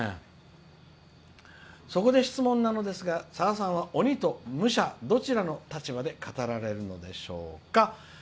そこで質問なのですがさださんは鬼と武者どちらの立場で語られるのでしょうか？」。